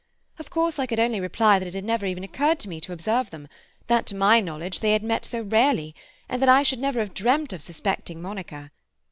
Of course I could only reply that it had never even occurred to me to observe them—that to my knowledge they had met so rarely—and that I should never have dreamt of suspecting Monica.